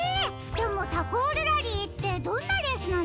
でもタコールラリーってどんなレースなんですか？